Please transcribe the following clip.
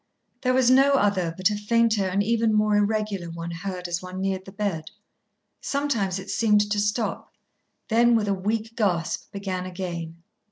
There was no other but a fainter and even more irregular one heard as one neared the bed. Sometimes it seemed to stop, then, with a weak gasp, begin again.